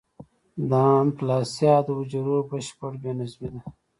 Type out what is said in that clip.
د اناپلاسیا د حجرو بشپړ بې نظمي ده.